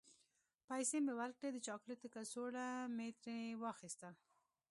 پیسې مې ورکړې، د چاکلیټو کڅوڼه مې ترې واخیستل.